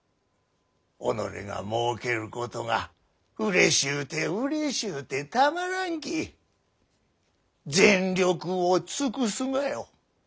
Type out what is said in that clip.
己がもうけることがうれしゅうてうれしゅうてたまらんき全力を尽くすがよ。